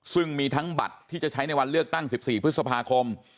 ซึ่งมีทั้งบัตรที่จะใช้ในวันเลือกตั้ง๑๔พฤษภาคม